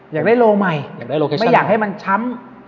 อยากได้โลกาชั่นใหม่ไม่อยากให้มันช้ำ